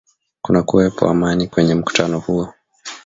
kunakuwepo Amani kwenye mkutano huo